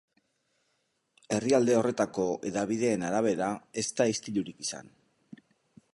Herrialde horretako hedabideen arabera, ez da istilurik izan.